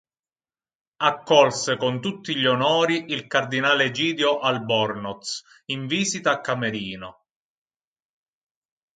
Accolse con tutti gli onori il cardinale Egidio Albornoz in visita a Camerino.